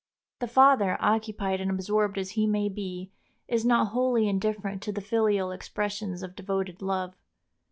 The father, occupied and absorbed as he may be, is not wholly indifferent to the filial expressions of devoted love.